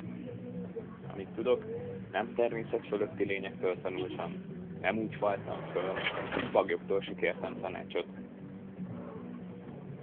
Amit tudok, nem természetfölötti lényektől tanultam, nem úgy faltam föl, baglyoktól se kértem tanácsot.